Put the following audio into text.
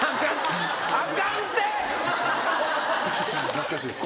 懐かしいです。